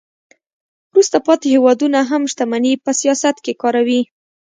وروسته پاتې هیوادونه هم شتمني په سیاست کې کاروي